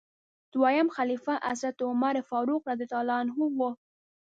دویم خلیفه حضرت عمر فاروق رض و.